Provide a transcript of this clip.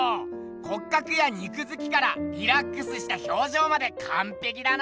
骨格や肉づきからリラックスした表情までかんぺきだな。